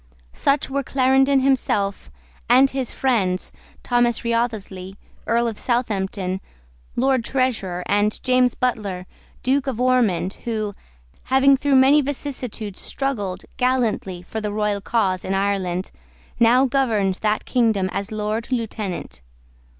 Such were Clarendon himself, and his friends, Thomas Wriothesley, Earl of Southampton, Lord Treasurer, and James Butler, Duke of Ormond, who, having through many vicissitudes struggled gallantly for the royal cause in Ireland, now governed that kingdom as Lord Lieutenant.